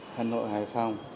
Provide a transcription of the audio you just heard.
hà nội hải phòng